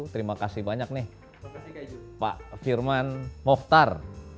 terima kasih banyak nih pak firman mokhtar